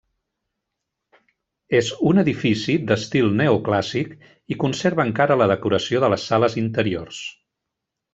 És un edifici d'estil neoclàssic i conserva encara la decoració de les sales interiors.